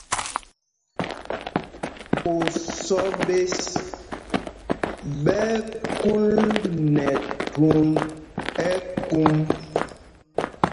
Osɔ́ ɓēs ɓɛ́ ɛ́ kúl nɛ thūnd ɛkúm.